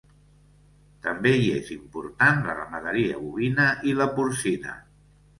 També hi és important la ramaderia bovina i la porcina.